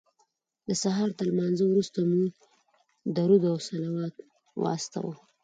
د سهار تر لمانځه وروسته مو درود او صلوات واستاوه.